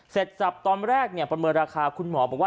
เสร็จสับตอนแรกเนี่ยประเมินราคาคุณหมอบอกว่า